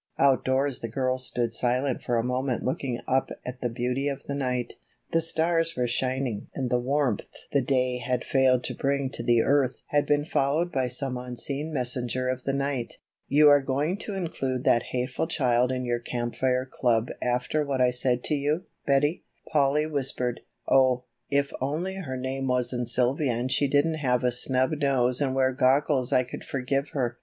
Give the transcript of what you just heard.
Outdoors the girls stood silent for a moment looking up at the beauty of the night. The stars were shining and the warmth the day had failed to bring to the earth had been followed by some unseen messenger of the night. "You are going to include that hateful child in your Camp Fire Club after what I said to you, Betty?" Polly whispered. "Oh, if only her name wasn't Sylvia and she didn't have a snub nose and wear goggles I could forgive her.